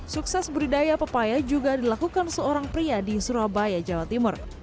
sukses budidaya pepaya juga dilakukan seorang pria di surabaya jawa timur